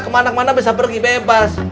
ke mana mana bisa pergi bebas